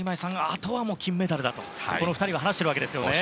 あとは金メダルだとこの２人は話している訳ですよね。